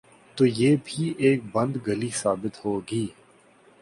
تو یہ بھی ایک بند گلی ثابت ہو گی۔